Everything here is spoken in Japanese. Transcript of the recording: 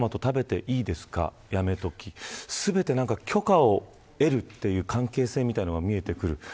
全て許可を得るという関係性みたいなのが見えてくる。